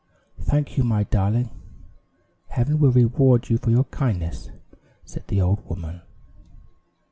"Thank you, my darling. Heaven will reward you for your kindness," said the old woman.